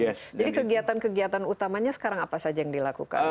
jadi kegiatan kegiatan utamanya sekarang apa saja yang dilakukan